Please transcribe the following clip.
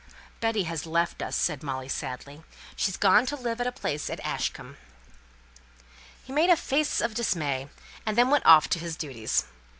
"Betty has left us," said Molly, sadly. "She's gone to live at a place at Ashcombe." He made a face of dismay, and then went off to his duties.